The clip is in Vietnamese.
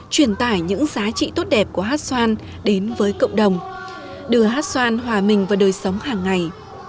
truyền tải những giá trị tốt đẹp của hát xoan đến với cộng đồng đưa hát xoan hòa mình vào đời sống hàng ngày